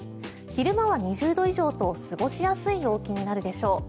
昼間は２０度以上と過ごしやすい陽気になるでしょう。